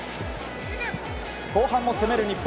後半も攻める日本。